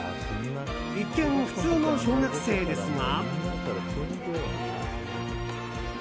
一見普通の小学生ですが。